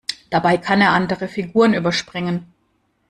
Dabei kann er andere Figuren überspringen.